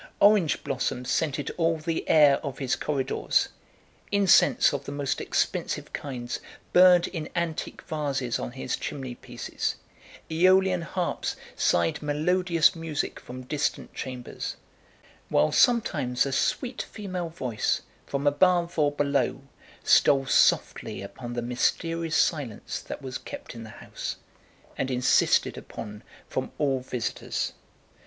Orange blossoms scented all the air of his corridors; incense of the most expensive kinds burned in antique vases on his chimney pieces; æolian harps sighed melodious music from distant chambers; while sometimes a sweet female voice, from above or below, stole softly upon the mysterious silence that was kept in the house, and insisted upon from all visitors.